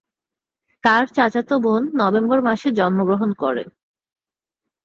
তার চাচাতো বোন নভেম্বর মাসে জন্মগ্রহণ করে।